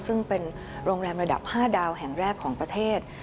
ซึ่งเป็นโรงแรมระดับ๕ดาวแห่งแรกของประเทศ